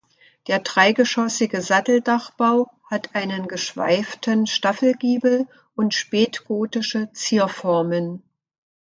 Der dreigeschossige Satteldachbau hat einen geschweiften Staffelgiebel und spätgotische Zierformen.